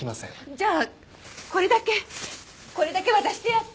じゃあこれだけこれだけ渡してやってよ。